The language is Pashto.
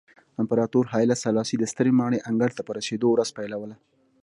امپراتور هایله سلاسي د سترې ماڼۍ انګړ ته په رسېدو ورځ پیلوله.